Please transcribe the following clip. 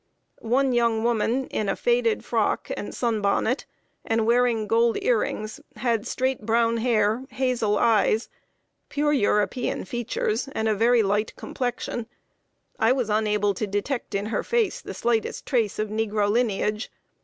One young woman, in a faded frock and sun bonnet, and wearing gold ear rings, had straight brown hair, hazel eyes, pure European features, and a very light complexion. I was unable to detect in her face the slightest trace of negro lineage.